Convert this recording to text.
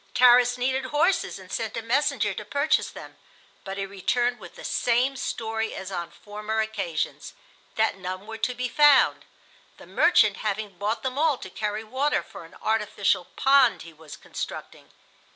Tarras needed horses and sent a messenger to purchase them, but he returned with the same story as on former occasions—that none were to be found, the "merchant" having bought them all to carry water for an artificial pond he was constructing.